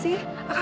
tidak tidak tidak